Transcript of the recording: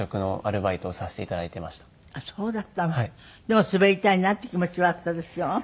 でも滑りたいなっていう気持ちはあったでしょう？